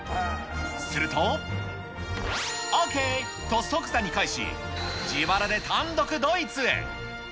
すると、ＯＫと即座に返し、自腹で単独ドイツへ。